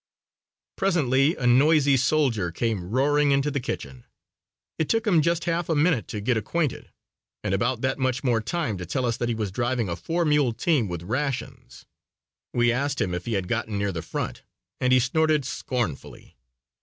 Presently a noisy soldier came roaring into the kitchen. It took him just half a minute to get acquainted and about that much more time to tell us that he was driving a four mule team with rations. We asked him if he had gotten near the front and he snorted scornfully.